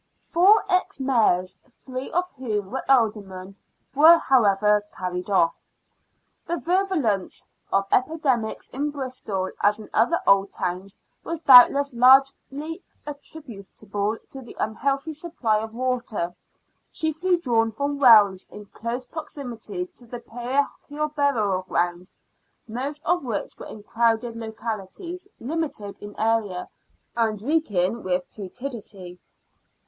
Four ex Mayors, three of whom were Aldermen, were, however, carried off. The virulence of epidemics in Bristol, as in other old towns, was doubtless largely attributable to the unhealthy supply of water, chiefly drawn from wells in close proximity to the parochial burial grounds, most of which were in crowded localities limited in area, and reeking with putridity.